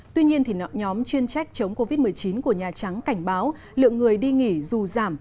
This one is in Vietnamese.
tuy nhiên nhóm chuyên trách chống covid một mươi chín của nhà trắng cảnh báo lượng người đi nghỉ dù giảm